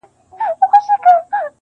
چا یې پښې چا ګودړۍ ورمچوله -